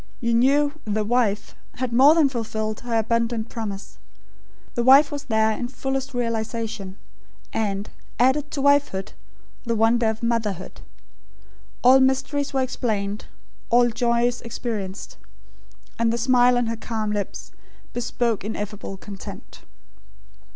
You knew "The Wife" had more than fulfilled her abundant promise. The wife was there in fullest realisation; and, added to wifehood, the wonder of motherhood. All mysteries were explained; all joys experienced; and the smile on her calm lips, bespoke ineffable content.